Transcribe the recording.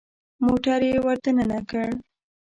موټر يې ور دننه کړ.